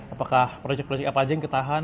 apakah project project apa aja yang ketahan